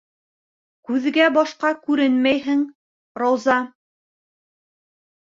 Күҙгә-башҡа күренмәйһең, Рауза?